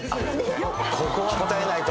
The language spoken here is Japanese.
ここは答えないと。